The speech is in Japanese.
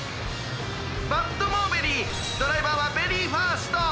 「バットモーベリドライバーはベリーファースト！」。